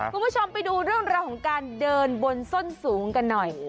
คุณผู้ชมไปดูเรื่องราวของการเดินบนส้นสูงกันหน่อย